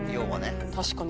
確かに。